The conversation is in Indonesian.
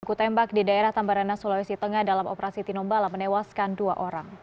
baku tembak di daerah tambarana sulawesi tengah dalam operasi tinombala menewaskan dua orang